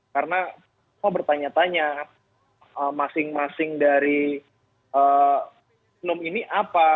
karena semua bertanya tanya masing masing dari num ini apa